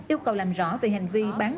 yêu cầu làm rõ về hành vi bán hàng